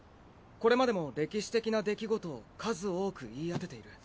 これまでも歴史的な出来事を数多く言い当てている。